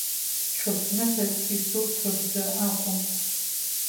Ҽыԥныҳәас исуҭо рзы акәым.